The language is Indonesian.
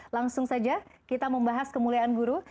langsung saja kita membahas kemuliaan guru